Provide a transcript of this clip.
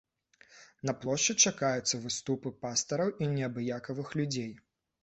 На плошчы чакаюцца выступы пастараў і неабыякавых людзей.